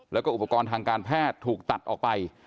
แล้วก็อุปกรณ์ทางการแพทย์ถูกตัดออกไป